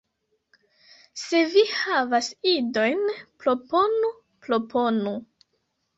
Se vi havas ideojn, proponu, proponu.